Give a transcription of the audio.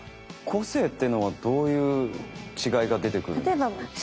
個性っていうのはどういう違いが出てくるんですか？